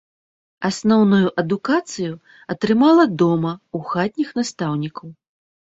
Асноўную адукацыю атрымала дома ў хатніх настаўнікаў.